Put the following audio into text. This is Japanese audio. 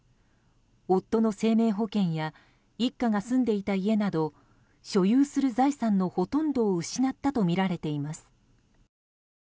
夫の生命保険や一家が住んでいた家など所有する財産のほとんどを失ったとみられています。